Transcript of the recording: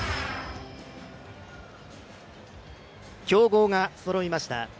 強豪がそろいました。